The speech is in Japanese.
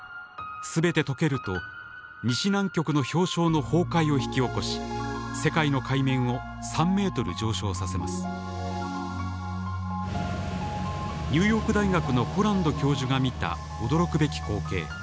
すべてとけると西南極の氷床の崩壊を引き起こし世界の海面を３ｍ上昇させますニューヨーク大学のホランド教授が見た驚くべき光景。